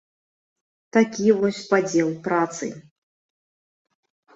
Такі вось падзел працы.